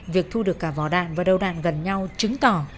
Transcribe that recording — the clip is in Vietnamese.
việc thu được cả vỏ đạn và đầu đạn gần nhau chứng tỏ